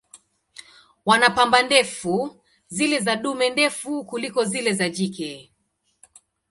Wana pamba ndefu, zile za dume ndefu kuliko zile za jike.